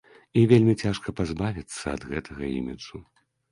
І вельмі цяжка пазбавіцца ад гэтага іміджу.